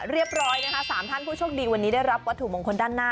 เรียบร้อยนะคะ๓ท่านผู้โชคดีวันนี้ได้รับวัตถุมงคลด้านหน้า